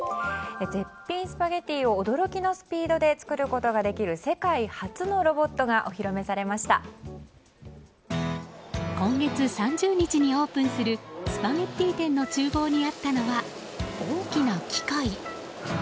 絶品スパゲッティを驚きのスピードで作ることができる世界初のロボットが今月３０日にオープンするスパゲッティ店の厨房にあったのは大きな機械。